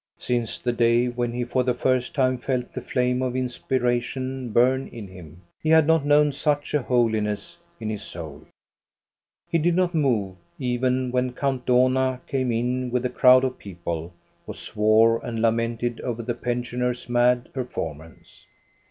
Since the day when he for the first time felt the flame of inspiration burn in him, he had not known such a holiness in his soul. He did not move, even when Count Dohna came in with a crowd of people, who swore and lamented over the pensioners' mad performance.